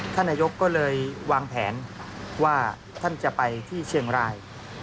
ท่านนายกก็เลยวางแผนว่าท่านจะไปที่เชียงราย